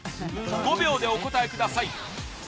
５秒でお答えください